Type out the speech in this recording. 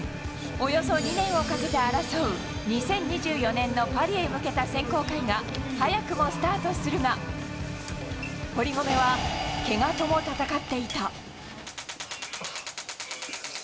およそ２年をかけて争う、２０２４年のパリへ向けた選考会が早くもスタートするが、まじ痛い。